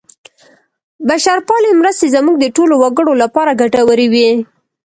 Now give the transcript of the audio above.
بشرپالې مرستې زموږ د ټولو وګړو لپاره ګټورې وې.